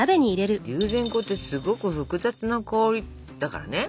龍涎香ってすごく複雑な香りだからね。